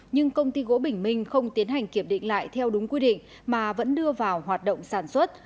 nhưng công ty gỗ bình minh không tiến hành kiểm định lại theo đúng quy định mà vẫn đưa vào hoạt động sản xuất